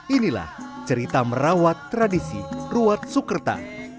inilah cerita merawat tradisi ruat sukerta